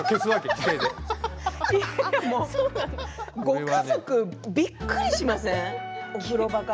っとご家族、びっくりしませんお風呂場から。